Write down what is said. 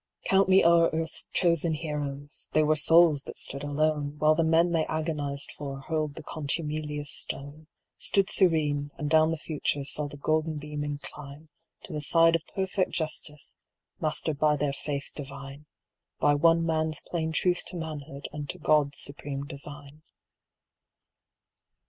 Count me o'er earth's chosen heroes,—they were souls that stood alone, While the men they agonized for hurled the contumelious stone, Stood serene, and down the future saw the golden beam incline To the side of perfect justice, mastered by their faith divine, By one man's plain truth to manhood and to God's supreme design.